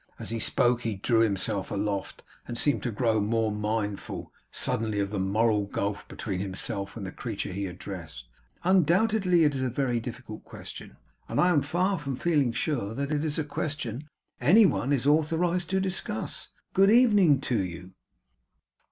As he spoke he drew himself aloft, and seemed to grow more mindful, suddenly, of the moral gulf between himself and the creature he addressed. 'Undoubtedly it is a very difficult question. And I am far from feeling sure that it is a question any one is authorized to discuss. Good evening to you.